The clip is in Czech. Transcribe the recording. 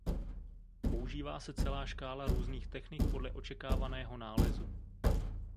Používá se celá škála různých technik podle očekávaného nálezu.